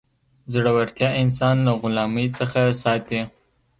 زړورتیا انسان له غلامۍ څخه ساتي.